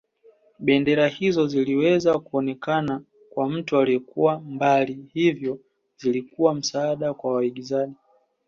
Bendera hizo ziliweza kuonekana kwa mtu aliyekuwa mbali hivyo zilikuwa msaada kwa wawindaji